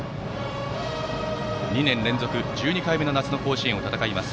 ２年連続１２回目の夏の甲子園を戦います